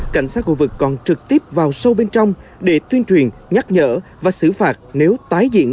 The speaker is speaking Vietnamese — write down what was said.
cảnh sát khu vực còn trực tiếp vào sâu bên trong để tuyên truyền nhắc nhở và xử phạt nếu tái diễn